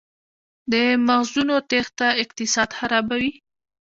د مغزونو تیښته اقتصاد خرابوي؟